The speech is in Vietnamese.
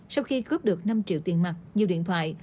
sau khi cướp được năm triệu tiền mặt nhiều điện thoại